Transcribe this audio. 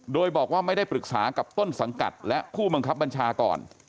โดยบอกว่าไม่ได้ปรึกษากับต้นสังกัดและผู้บังคับบัญชาก่อน